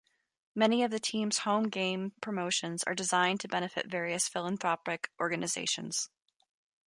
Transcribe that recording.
Many of the team's home game promotions are designed to benefit various philanthropic organizations.